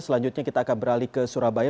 selanjutnya kita akan beralih ke surabaya